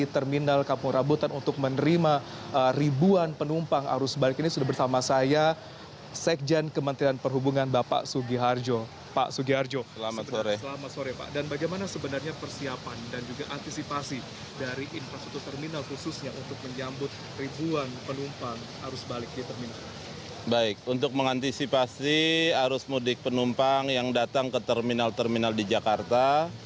terima kasih arus mudik penumpang yang datang ke terminal terminal di jakarta